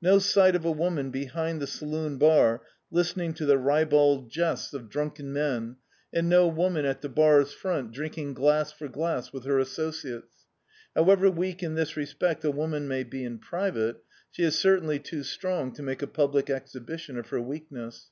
No si^t of a woman behind the saloon bar listening to the ribald jests Us] D,i.,.db, Google The Autobiography of a Super Tramp of drunken men, and no woman at the bar's frcxit drinking glass for glass with her associates. How ever weak in this respect a woman may be in private, she is certainly too strong to make a public ezhibi' tion of her weakness.